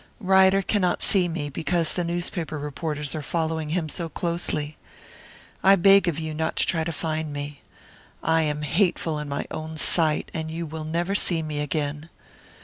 Ryder cannot see me, because the newspaper reporters are following him so closely. "I beg of you not to try to find me. I am hateful in my own sight, and you will never see me again.